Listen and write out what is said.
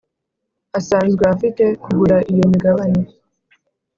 Asanzwe afite kugura iyo migabane